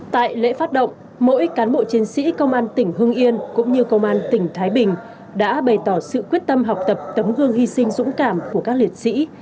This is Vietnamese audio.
tại lễ phát động mỗi cán bộ chiến sĩ công an tỉnh hưng yên cũng như công an tỉnh thái bình đã bày tỏ sự quyết tâm học tập tấm gương hy sinh dũng cảm của các liệt sĩ